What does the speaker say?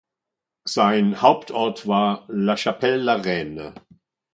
Sein Hauptort war La Chapelle-la-Reine.